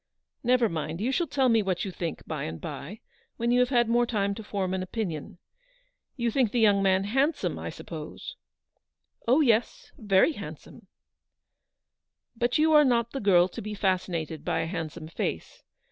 Never mind, you shall tell me what you think by and by, when you have had more time to form an opinion. You think the young man handsome, I suppose ?"" Oh, yes ! very handsome." " But you are not the girl to be fascinated by a handsome face.